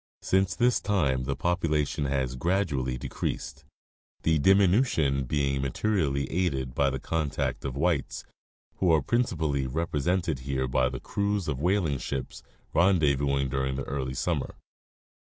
Since this time the population has gradually decreased, the diminution being materially aided by the contact of whites, who are principally represented here by the crews of the whaling ships, rendezvousing during the early summer.